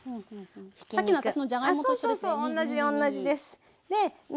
さっきの私のじゃがいもと一緒ですね。